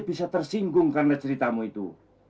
bisa tersinggung karena ceritamu itu